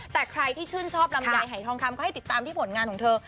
แต่ใครที่ชื่นชอบลำไยหายทองคำก็ให้ติดตามที่ผลงานของเธอ